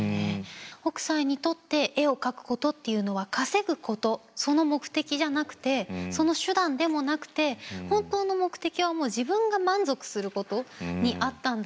北斎にとって絵を描くことっていうのは稼ぐことその目的じゃなくてその手段でもなくて本当の目的はもう自分が満足することにあったんだろうなと思いましたね。